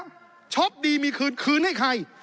ของช็อปดีมีคืนขึ้นให้ใคร